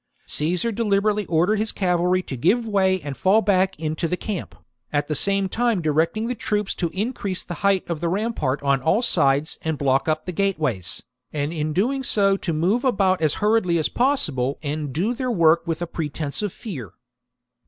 Caesar deliberately ordered his cavalry to give way and fall back into the camp, at the same time directing the troops to increase the height of the rampart on all sides and block up the gateways, and in doing so to move about as hurriedly as possible and do their work with a pretence of fear.